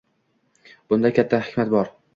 Bunda katta hikmat bor